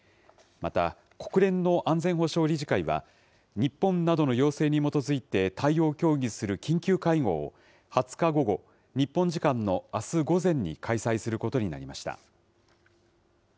また、国連の安全保障理事会は、日本などの要請に基づいて対応を協議する緊急会合を、２０日午後、日本時間のあす午前に開催することになりました。